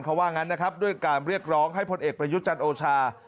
เขาว่างั้นนะครับด้วยการเรียกร้องให้พลเอกประยุทธ์จันทร์โอชา